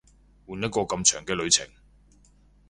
換一個咁長嘅旅程